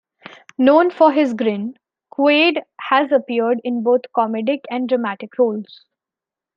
Known for his grin, Quaid has appeared in both comedic and dramatic roles.